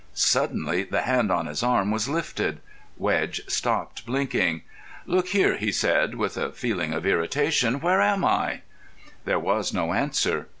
Suddenly the hand on his arm was lifted. Wedge stopped, blinking. "Look here," he said, with a feeling of irritation, "where am I?" There was no answer.